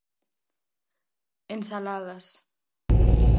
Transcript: Ensaladas.